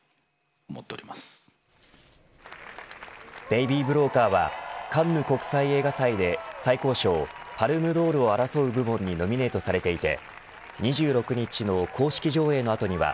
ベイビー・ブローカーはカンヌ国際映画祭で最高賞パルムドールを争う部門にノミネートされていて２６日の公式上映の後には